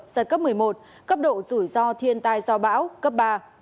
giật cấp một mươi một cấp độ rủi ro thiên tai do bão cấp ba